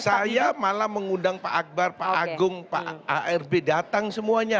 saya malah mengundang pak akbar pak agung pak arb datang semuanya